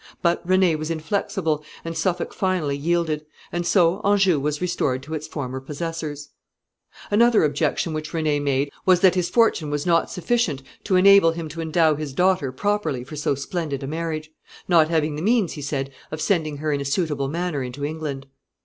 But René was inflexible, and Suffolk finally yielded, and so Anjou was restored to its former possessors. [Sidenote: The king asks no dowry.] Another objection which René made was that his fortune was not sufficient to enable him to endow his daughter properly for so splendid a marriage; not having the means, he said, of sending her in a suitable manner into England.